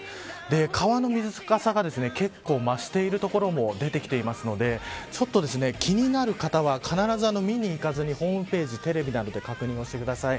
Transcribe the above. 川の水かさが結構、増している所も出てきていますので気になる方は、必ず見に行かずにホームページ、テレビなどで確認をしてください。